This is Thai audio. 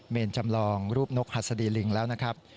จำลองรูปนกหัสดีลิงแล้วนะครับ